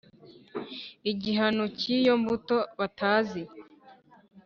Igihano cy'iyo mbuto batazi